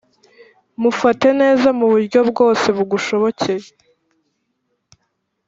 mufate neza mu buryo bwose bugushobokeye